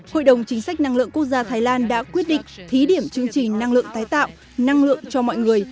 hội đồng chính sách năng lượng quốc gia thái lan đã quyết định thí điểm chương trình năng lượng tái tạo năng lượng cho mọi người